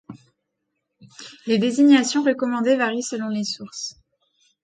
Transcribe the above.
Les désignations recommandées varient selon les sources.